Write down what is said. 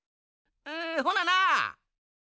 んほなな。